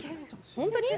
本当に？